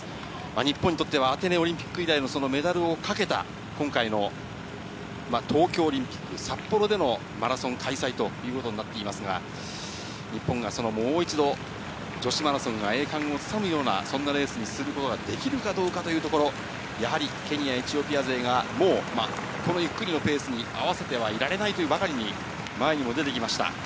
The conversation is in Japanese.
日本にとっては、アテネオリンピック以来のメダルをかけた、今回の東京オリンピック、札幌でのマラソン開催ということになっていますが、日本がもう一度、女子マラソンが栄冠をつかむような、そんなレースにすることができるかどうかというところ、やはりケニア、エチオピア勢が、もう、このゆっくりのペースに合わせてはいられないとばかりに、前にも出てきました。